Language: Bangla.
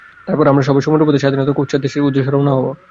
তারপর আমরা সবাই সমুদ্রপথে স্বাধীনতা ও কুৎসার দেশের উদ্দেশ্যে রওনা হব।